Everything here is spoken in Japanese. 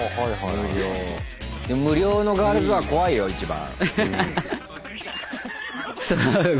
でも無料のガールズバー怖いよ一番。